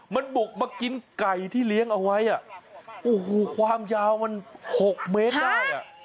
มันบุกมากินไก่ที่เลี้ยงเอาไว้อ่ะโอ้โหความยาวมัน๖เมตรได้อ่ะ